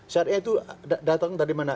syariah itu datang dari mana